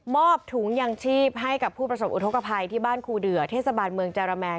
อบถุงยางชีพให้กับผู้ประสบอุทธกภัยที่บ้านครูเดือเทศบาลเมืองจาระแมน